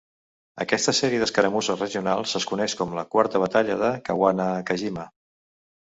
Aquesta sèrie d'escaramusses regionals es coneix com la Quarta Batalla de Kawanakajima.